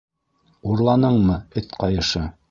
- Урланыңмы, эт ҡайышы?